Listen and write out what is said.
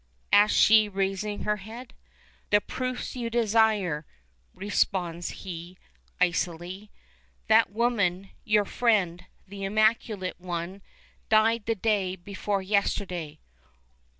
asks she, raising her head. "The proofs you desire," responds he, icily. "That woman your friend the immaculate one died the the day before yesterday.